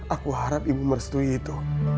aku harap ibu merestui itu